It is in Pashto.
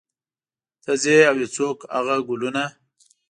ته ځې او یو څوک هغه ګلونه